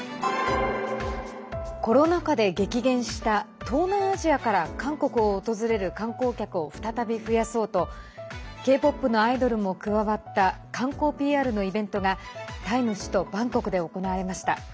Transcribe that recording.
コロナ禍で激減した東南アジアから韓国を訪れる観光客を再び増やそうとＫ‐ＰＯＰのアイドルも加わった観光ＰＲのイベントがタイの首都バンコクで行われました。